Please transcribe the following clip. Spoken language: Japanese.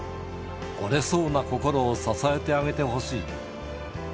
折れそうな心を支えてあげてほしい。